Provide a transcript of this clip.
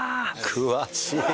詳しい。